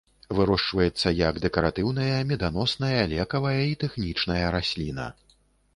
Вырошчваецца як дэкаратыўная, меданосная, лекавая і тэхнічная расліна.